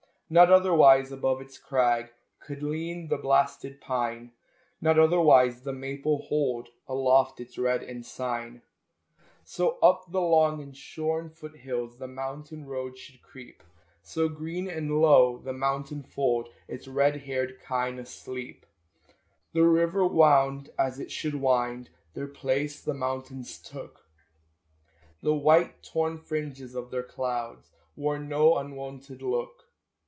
Not otherwise above its crag Could lean the blasted pine; Not otherwise the maple hold Aloft its red ensign. So up the long and shorn foot hills The mountain road should creep; So, green and low, the meadow fold Its red haired kine asleep. The river wound as it should wind; Their place the mountains took; The white torn fringes of their clouds Wore no unwonted look.